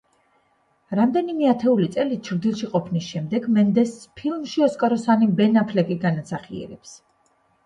რამდენიმე ათეული წელი ჩრდილში ყოფნის შემდეგ მენდესს ფილმში ოსკაროსანი ბენ აფლეკი განასახიერებს.